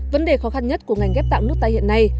vấn đề khó khăn nhất của ngành ghép tạng nước ta hiện nay